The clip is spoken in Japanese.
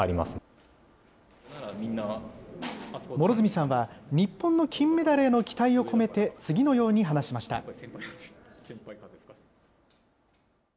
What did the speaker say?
両角さんは、日本の金メダルへの期待を込めて、次のように話しました。